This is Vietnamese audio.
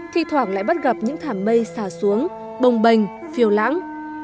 khi thoảng lại bắt gặp những thảm mây xả xuống bồng bềnh phiêu lãng